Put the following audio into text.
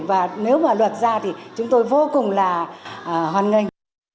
và nếu mà luật ra thì chúng tôi vô cùng là hoan nghênh